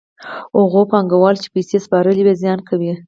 هغو پانګوالو چې پیسې سپارلې وي زیان کوي